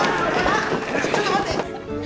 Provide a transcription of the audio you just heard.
ちょっと待って！